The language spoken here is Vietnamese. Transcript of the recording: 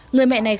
người mẹ này khóc